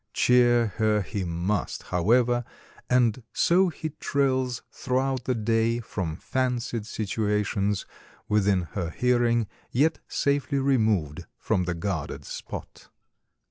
Cheer her he must, however, and so he trills throughout the day from fancied situations within her hearing, yet safely removed from the guarded spot."